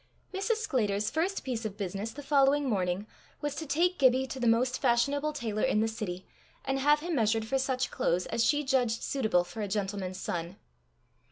Mrs. Sclater's first piece of business the following morning was to take Gibbie to the most fashionable tailor in the city, and have him measured for such clothes as she judged suitable for a gentleman's son.